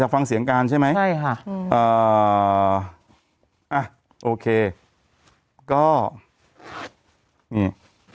อยากฟังเสียงการใช่มั้ยใช่ค่ะอ่าโอเคก็นี่